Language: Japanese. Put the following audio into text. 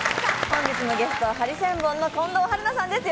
本日のゲスト、ハリセンボンの近藤春菜さんです。